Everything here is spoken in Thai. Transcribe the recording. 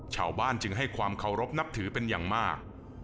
ชาวบ้านจึงให้ความเคารพนับถือเป็นอย่างมาก